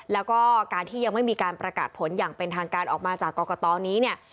แล้วก็การที่ยังไม่มีการประกาศผลอย่างเป็นทางการออกมาจากกรกตนี้เนี่ย